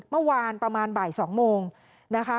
เมื่อวานประมาณบ่าย๒โมงนะคะ